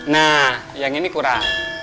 nah yang ini kurang